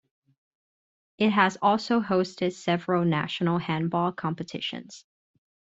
It has also hosted several national handball competitions.